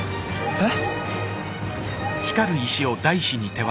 えっ？